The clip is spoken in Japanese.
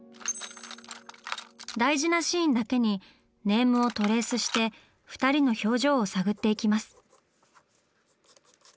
大事なシーンだけにネームをトレースして２人の表情を探っていきます。